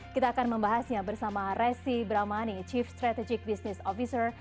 kita akan membahasnya bersama resi bramani chief strategic business officer